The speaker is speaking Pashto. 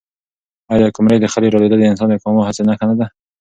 آیا د قمرۍ د خلي رالوېدل د انسان د ناکامو هڅو نښه نه ده؟